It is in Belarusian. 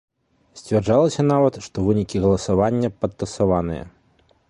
Сцвярджалася нават, што вынікі галасавання падтасаваныя.